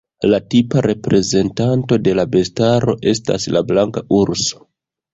La tipa reprezentanto de la bestaro estas la blanka urso.